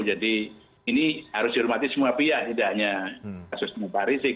jadi ini harus dihormati semua pihak tidak hanya asas asas bupa rizieq